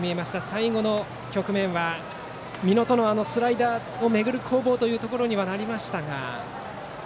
最後の局面は美濃とのスライダーをめぐる攻防というところにはなりましたが。